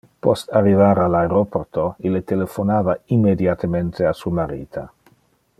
Post arrivar al aeroporto ille telephonava immediatemente a su marita.